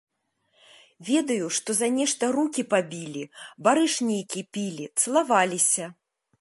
Ведаю, што за нешта рукі пабілі, барыш нейкі пілі, цалаваліся.